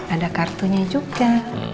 ada kartunya juga